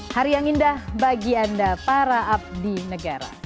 hari yang indah bagi anda para abdi negara